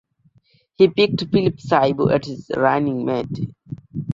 He picked Philip Shaibu as his running mate.